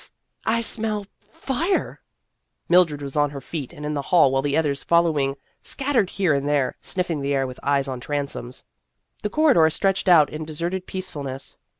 " I smell fire !" Mildred was on her feet and in the hall, while the others following scattered here and there, sniffing the air with eyes on transoms. The corridor stretched out in deserted peacefulness.